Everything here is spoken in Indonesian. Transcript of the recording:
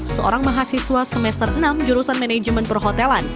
seorang mahasiswa semester enam jurusan manajemen perhotelan